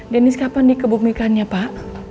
deniz kapan dikebumikannya pak